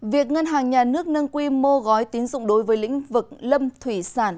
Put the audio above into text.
việc ngân hàng nhà nước nâng quy mô gói tín dụng đối với lĩnh vực lâm thủy sản